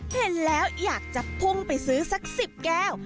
เห็นแล้วอยากจะพุ่งไปซื้อสัก๑๐แก้ว